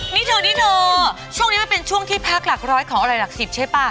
นี่โทนี่โนช่วงนี้มันเป็นช่วงที่พักหลักร้อยของอะไรหลักสิบใช่ป่ะ